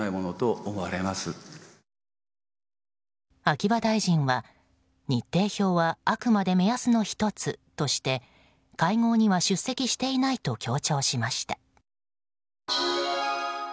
秋葉大臣は日程表はあくまで目安の１つとして会合には出席していないと強調しました。